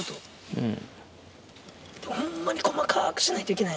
うん。